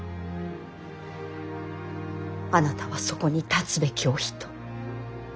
あなたはそこに立つべきお人。